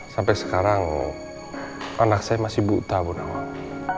sampai sekarang anak saya masih buta bu nawang